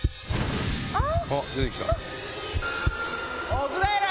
奥平！